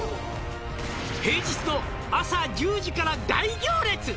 「平日の朝１０時から大行列！」